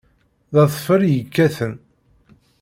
D adfel i yekkaten.